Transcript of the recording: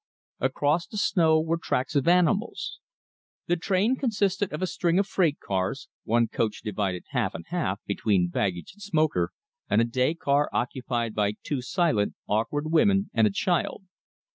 Across the snow were tracks of animals. The train consisted of a string of freight cars, one coach divided half and half between baggage and smoker, and a day car occupied by two silent, awkward women and a child.